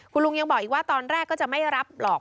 คุณลุงยังบอกอีกว่าตอนแรกก็จะไม่รับหรอก